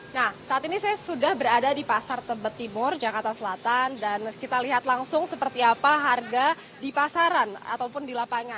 nah saat ini saya sudah berada di pasar tebet timur jakarta selatan dan kita lihat langsung seperti apa harga di pasaran ataupun di lapangan